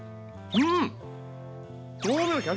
うん！